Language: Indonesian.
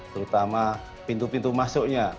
terutama pintu pintu masuknya